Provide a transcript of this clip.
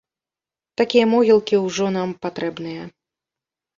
Такія могілкі ўжо нам патрэбныя.